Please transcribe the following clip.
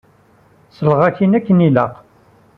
Selleɣ-ak-in akken ilaq.